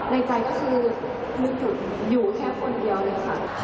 ในใจก็คือนึกหยุดอยู่แค่คนเดียวเลยค่ะ